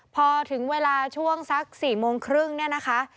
พอถึงเวลาช่วงสัก๔โมงครึ่งเนี่ยนะคะ